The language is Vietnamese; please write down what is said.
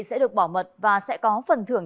sẽ được bảo mật và sẽ có phần thưởng